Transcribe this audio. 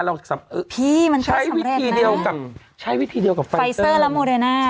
เขาก็ไม่เอามากกว่า๕๐๐